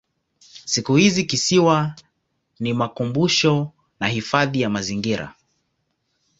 Siku hizi kisiwa ni makumbusho na hifadhi ya mazingira.